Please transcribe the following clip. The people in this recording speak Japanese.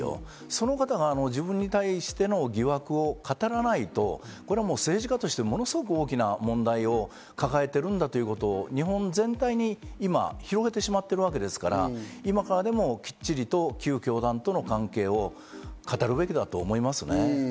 その方が自分に対しての疑惑を語らないと、これはもう政治家としてものすごく大きな問題を抱えているんだということを日本全体に今、広めてしまっているわけですから、今からでもきっちりと旧教団との関係を語るべきだと思いますね。